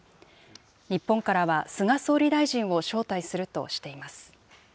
日本からは菅総理大臣を招待するとしています。